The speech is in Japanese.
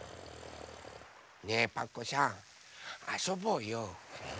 ねえパクこさんあそぼうよ。